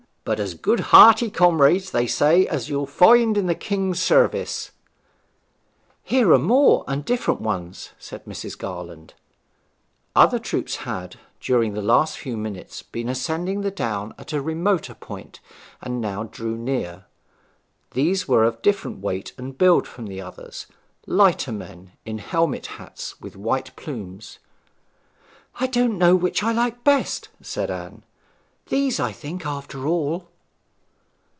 But as good hearty comrades, they say, as you'll find in the King's service.' 'Here are more and different ones,' said Mrs. Garland. Other troops had, during the last few minutes, been ascending the down at a remoter point, and now drew near. These were of different weight and build from the others; lighter men, in helmet hats, with white plumes. 'I don't know which I like best,' said Anne. 'These, I think, after all.'